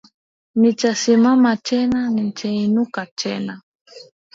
Nitasimama tena, nitainuka tena